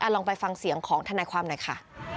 ลองไปฟังเสียงของทนายความหน่อยค่ะ